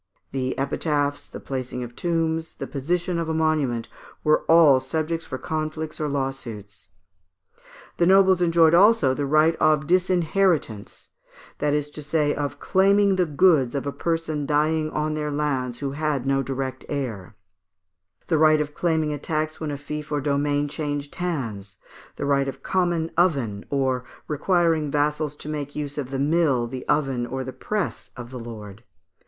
The epitaphs, the placing of tombs, the position of a monument, were all subjects for conflicts or lawsuits. The nobles enjoyed also the right of disinheritance, that is to say, of claiming the goods of a person dying on their lands who had no direct heir; the right of claiming a tax when a fief or domain changed hands; the right of common oven, or requiring vassals to make use of the mill, the oven, or the press of the lord.